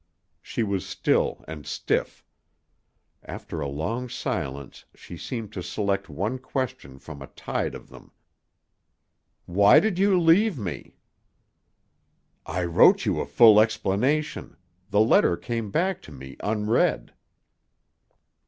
She was still and stiff. After a long silence she seemed to select one question from a tide of them. "Why did you leave me?" "I wrote you a full explanation. The letter came back to me unread."